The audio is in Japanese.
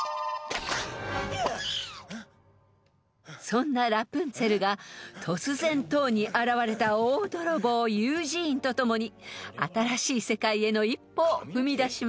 ［そんなラプンツェルが突然塔に現れた大泥棒ユージーンと共に新しい世界への一歩を踏み出します］